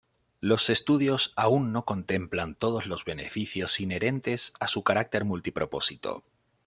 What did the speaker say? Los estudios aún no contemplan todos los beneficios inherentes a su carácter multipropósito.